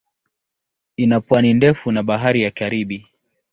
Ina pwani ndefu na Bahari ya Karibi.